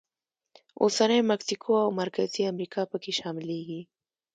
اوسنۍ مکسیکو او مرکزي امریکا پکې شاملېږي.